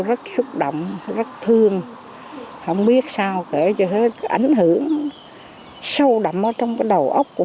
rất xúc động rất thương không biết sao kể cho nó ảnh hưởng sâu đậm ở trong cái đầu ốc của